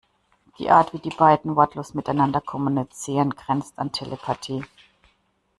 Die Art, wie die beiden wortlos miteinander kommunizieren, grenzt an Telepathie.